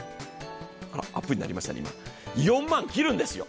あらアップになりましたね、今、４万切るんですよ。